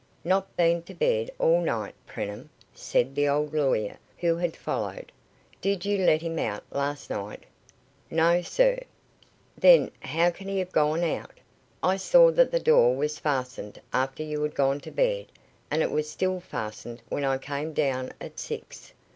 "Not been to bed all night, Preenham?" said the old lawyer, who had followed. "Did you let him out last night?" "No, sir." "Then how can he have gone out? I saw that the door was fastened after you had gone to bed, and it was still fastened when I came down at six."